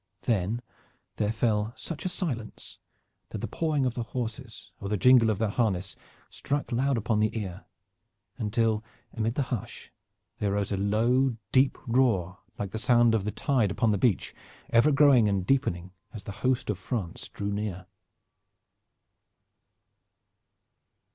Then there fell such a silence that the pawing of the horses or the jingle of their harness struck loud upon the ear, until amid the hush there rose a low deep roar like the sound of the tide upon the beach, ever growing and deepening as the host of France drew near.